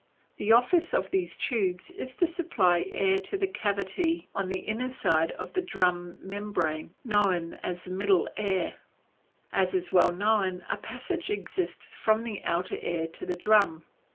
The office of these tubes is to supply air to the cavity on the inner side of the drum membrane, known as the middle ear. As is well known, a passage exists from the outer ear to the drum.